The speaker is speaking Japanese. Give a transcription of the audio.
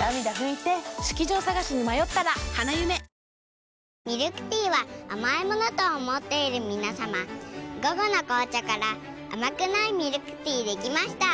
わぁミルクティーは甘いものと思っている皆さま「午後の紅茶」から甘くないミルクティーできました。